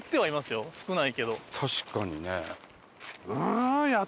確かにね。